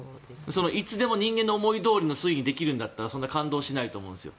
いつでも人間の思いどおりの水位にできるんだったらそんな感動しないと思うんですよ。